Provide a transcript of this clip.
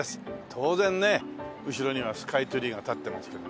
当然ね後ろにはスカイツリーが立ってますけど。